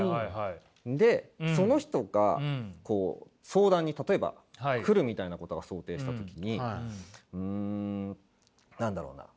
でその人がこう相談にたとえば来るみたいなことが想定した時にうん何だろうな？